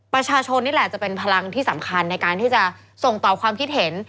ประชาชนนี่แหละจะเป็นพลังที่สำคัญในการที่จะส่งต่อความคิดเห็น